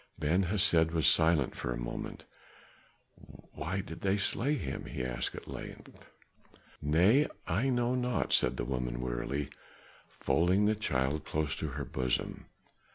Ben Hesed was silent for a moment, "Why did they slay him?" he asked at length. "Nay, I know not," said the woman wearily, folding the child close to her bosom.